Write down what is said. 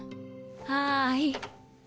はい。